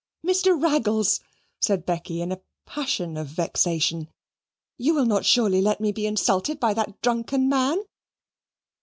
"Mr. Raggles," said Becky in a passion of vexation, "you will not surely let me be insulted by that drunken man?"